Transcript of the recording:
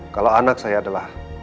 kalau anak saya adalah